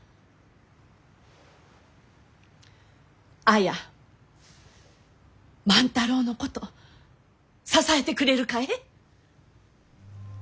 綾万太郎のこと支えてくれるかえ？